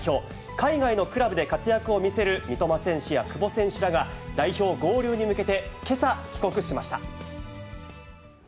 海外のクラブで活躍を見せる三笘選手や久保選手らが、代表合流に向けて、けさ、帰国しました。